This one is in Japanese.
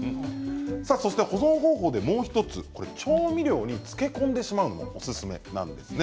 そして保存方法でもう１つ調味料に漬け込んでしまうのもおすすめなんですね。